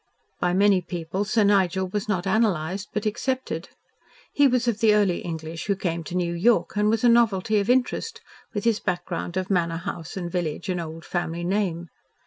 By many people Sir Nigel was not analysed, but accepted. He was of the early English who came to New York, and was a novelty of interest, with his background of Manor House and village and old family name.